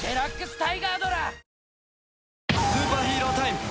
スーパーヒーロータイム。